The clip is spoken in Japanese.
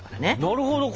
なるほど。